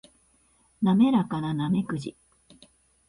滑らかなナメクジ